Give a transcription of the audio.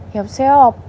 ya ampus ya opa